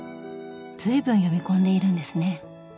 随分読み込んでいるんですね。